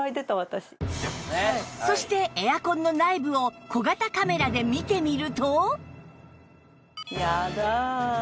そしてエアコンの内部を小型カメラで見てみるとねえ！